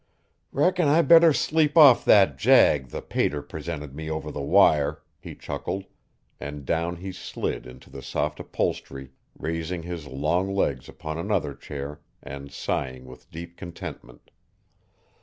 "Reckon I better sleep off that jag the pater presented me over the wire," he chuckled, and down he slid into the soft upholstery, raising his long legs upon another chair and sighing with deep contentment.